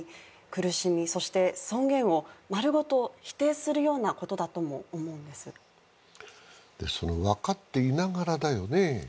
苦しみそして尊厳を丸ごと否定するようなことだとも思うんですその分かっていながらだよね